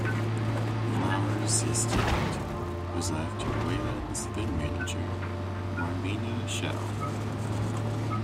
Flowers' estate was left to Wayland's then-manager, Marlena Shell.